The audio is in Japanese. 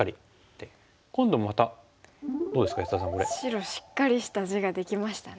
白しっかりした地ができましたね。